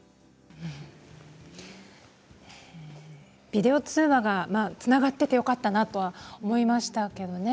ビデオ通話がつながっていてよかったなとは思いましたけれどね。